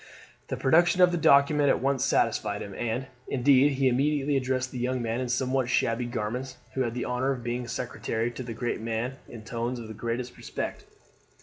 The production of the document at once satisfied him; and, indeed, he immediately addressed the young man in somewhat shabby garments, who had the honour of being secretary to the great man, in tones of the greatest respect.